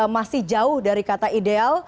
masih jauh dari kata ideal